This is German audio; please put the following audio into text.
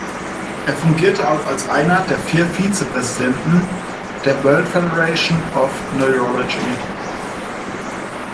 Er fungierte auch als einer der vier Vizepräsidenten der „World Federation of Neurology“.